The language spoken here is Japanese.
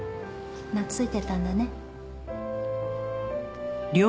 懐いてたんだね。